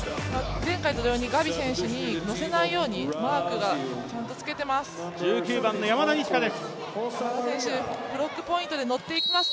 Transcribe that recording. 前回と同様にガビ選手に乗せないようにマークをちゃんとつけています。